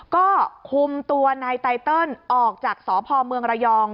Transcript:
ก็คุมตัวนายไตเติลออกจากสพเมืองระยอง